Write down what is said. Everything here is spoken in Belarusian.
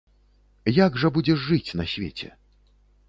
Як жа будзеш жыць на свеце?